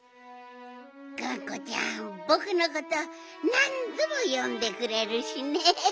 がんこちゃんぼくのことなんどもよんでくれるしね。